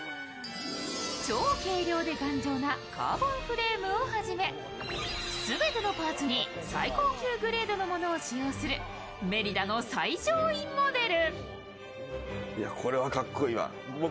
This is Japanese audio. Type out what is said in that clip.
超軽量で頑丈なカーボンフレームをはじめ、全てのパーツに最高級グレードのものを使用するメリダの最上位モデル。